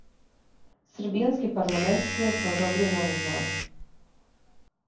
Србијански парламент тијесно одобрио нову владу